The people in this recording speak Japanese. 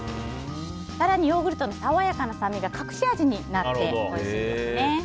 更にヨーグルトの爽やかな酸味が隠し味になっているんですね。